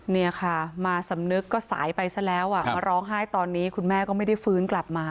เนี่ยค่ะมาสำนึกก็สายไปซะแล้วมาร้องไห้ตอนนี้คุณแม่ก็ไม่ได้ฟื้นกลับมา